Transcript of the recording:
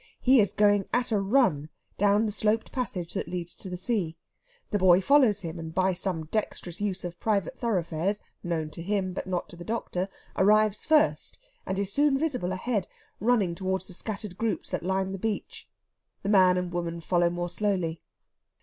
He is going at a run down the sloped passage that leads to the sea. The boy follows him, and by some dexterous use of private thoroughfares, known to him, but not to the doctor, arrives first, and is soon visible ahead, running towards the scattered groups that line the beach. The man and woman follow more slowly.